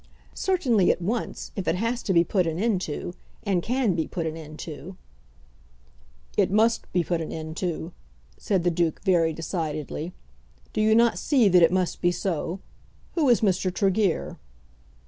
"Certainly at once, if it has to be put an end to, and can be put an end to." "It must be put an end to," said the Duke, very decidedly. "Do you not see that it must be so? Who is Mr. Tregear?"